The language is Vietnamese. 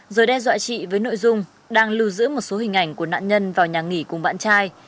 rồi đe dọa chị với nội dung đang lưu giữ một số hình ảnh của nạn nhân vào nhà nghỉ cùng bạn trai